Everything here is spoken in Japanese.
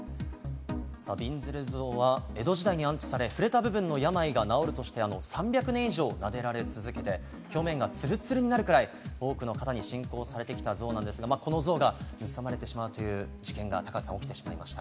びんずる像は江戸時代に安置され、触れた部分の病が治るとして、３００年以上なでられ続けて表面がツルツルになるくらい、多くの方に信仰されてきた像なんですが、この像が盗まれてしまうという事件が起きてしまいました。